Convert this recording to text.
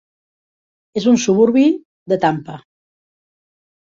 És un suburbi de Tampa.